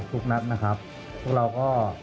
ทุกนัดนะครับพวกเราก็